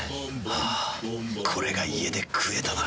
あぁこれが家で食えたなら。